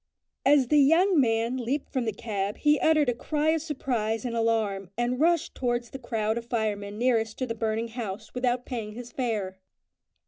As the young man leaped from the cab he uttered a cry of surprise and alarm, and rushed towards the crowd of firemen nearest to the burning house without paying his fare.